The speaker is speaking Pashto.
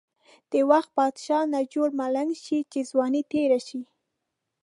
د وخت بادشاه نه جوړ ملنګ شی، چی ځوانی تیره شی.